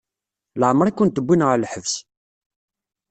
Leɛmeṛ i kent-wwin ɣer lḥebs?